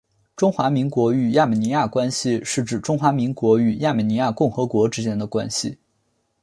中华民国与亚美尼亚关系是指中华民国与亚美尼亚共和国之间的关系。